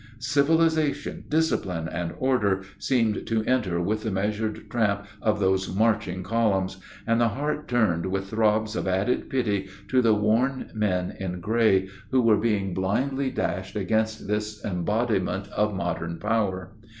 Civilization, discipline, and order seemed to enter with the measured tramp of those marching columns; and the heart turned with throbs of added pity to the worn men in gray, who were being blindly dashed against this embodiment of modern power.